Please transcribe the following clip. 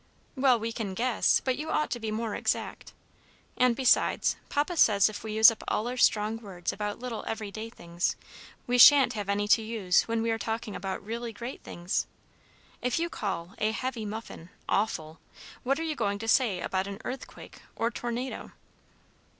"Well, we can guess, but you ought to be more exact. And, besides, Papa says if we use up all our strong words about little every day things, we sha'n't have any to use when we are talking about really great things. If you call a heavy muffin 'awful,' what are you going to say about an earthquake or tornado?"